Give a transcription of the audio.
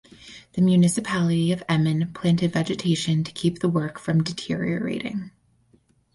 The municipality of Emmen planted vegetation to keep the work from deteriorating.